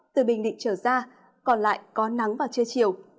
từ bình định trở ra còn lại có nắng vào trưa chiều